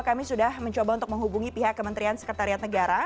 kami sudah mencoba untuk menghubungi pihak kementerian sekretariat negara